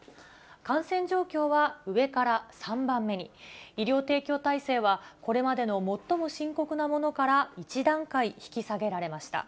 感染状況は上から３番目に、医療提供体制は、これまでの最も深刻なものから１段階引き下げられました。